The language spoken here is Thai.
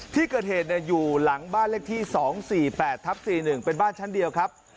ที่เกิดเหตุอยู่หลังบ้านเลขที่๒๔๘ทับ๔๑เป็นบ้านชั้นเดียวครับ